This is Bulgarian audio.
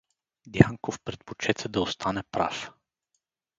Дянков предпочете да остане прав.